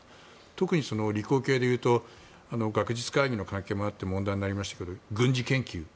特に理工系でいうと学術会議の関係もあって問題になりましたが軍事研究。